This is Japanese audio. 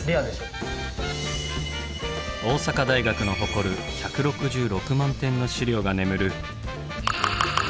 大阪大学の誇る１６６万点の資料が眠る。